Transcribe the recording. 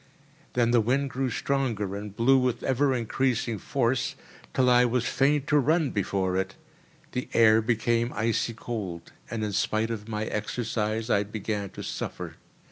Then the wind grew stronger and blew with ever increasing force, till I was fain to run before it. The air became icy cold, and in spite of my exercise I began to suffer.